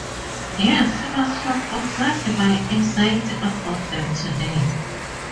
Yes; you must have observed my anxiety about them today.